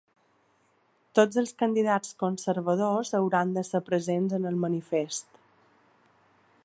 Tots els candidats conservadors hauran de ser presents en el manifest.